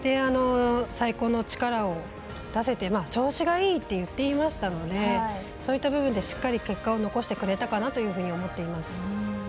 最高の力を出せて調子がいいって言ってましたのでそういった部分でしっかり結果を残してくれたかなと思います。